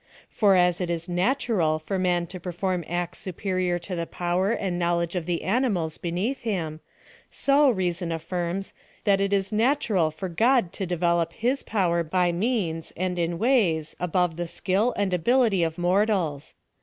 For, as it is 7intural for man to perform acts superior to the power and knowledge of the animals beneath iiim, so, reason affirms, that it is natural for God to devel ipe his power by means, and in ways, above the skiL and ability of mortals.